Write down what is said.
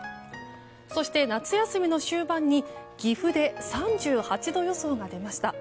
そして夏休みの終盤に岐阜で３８度予想が出ました。